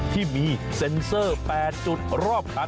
ที่มีเซ็นเซอร์๘จุดรอบคัน